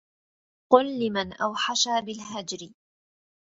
قل لمن أوحش بالهجر